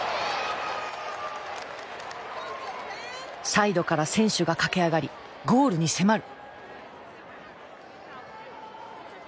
サイドから選手が駆け上がりゴールに迫る！